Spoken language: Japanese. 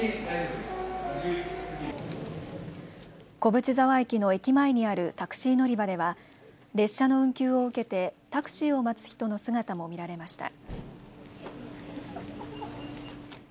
小淵沢駅の駅前にあるタクシー乗り場では列車の運休を受けてタクシーを待つ人の姿も見られました。